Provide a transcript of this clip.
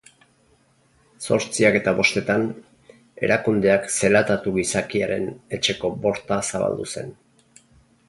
Zortziak eta bostetan, erakundeak zelatatu gizakiaren etxeko borta zabaldu zen.